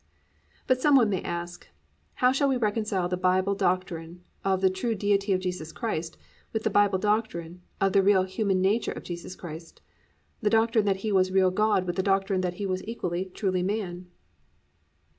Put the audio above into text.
But some one may ask, "How shall we reconcile the Bible doctrine of the true Deity of Jesus Christ with the Bible doctrine of the real human nature of Jesus Christ, the doctrine that He was real God with the doctrine that He was equally truly man?"